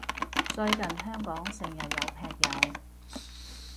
最近香港成日有劈友？